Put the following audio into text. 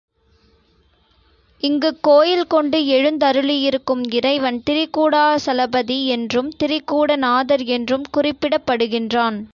இங்குக் கோயில்கொண்டு எழுந்தருளியிருக்கும் இறைவன் திரிகூடாசலபதி என்றும், திரிகூட நாதர் என்றும் குறிப்பிடப்படுகிறான்.